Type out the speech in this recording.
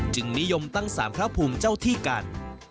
นิยมตั้งสารพระภูมิเจ้าที่กัน